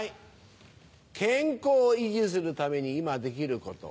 健康を維持するために今できること。